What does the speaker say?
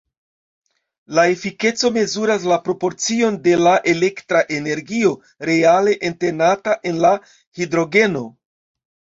La efikeco mezuras la proporcion de la elektra energio reale entenata en la hidrogeno.